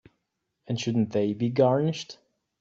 And shouldn't they be garnished?